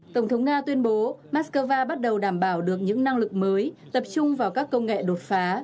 tổng thống nga tuyên bố moscow bắt đầu đảm bảo được những năng lực mới tập trung vào các công nghệ đột phá